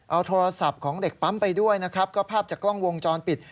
เอาโทรศัพท์ของเด็กปั๊มไปด้วยนะครับก็ภาพจากกล้องวงจรปิด